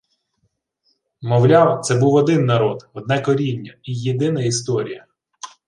Мовляв, це був один народ, одне коріння і єдина історія